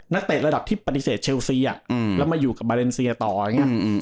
เตะระดับที่ปฏิเสธเชลซีแล้วมาอยู่กับมาเลเซียต่ออย่างนี้